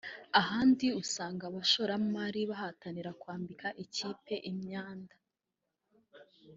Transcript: Ahandi usanga abashoramari bahatanira kwambika ikipe imyanda